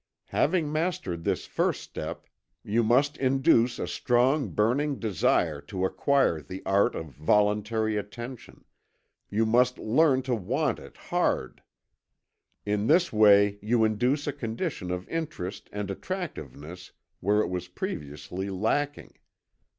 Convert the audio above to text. Having mastered this first step, you must induce a strong burning desire to acquire the art of voluntary attention you must learn to want it hard. In this way you induce a condition of interest and attractiveness where it was previously lacking.